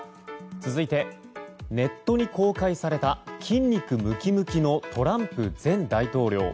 続いて、ネットに公開された筋肉ムキムキのトランプ前大統領。